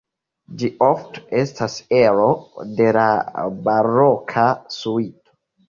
Ĝi ofte estas ero de la baroka suito.